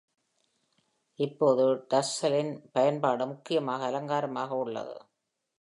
இப்போது டஸ்ஸலின் பயன்பாடு முக்கியமாக அலங்காரமாக உள்ளது.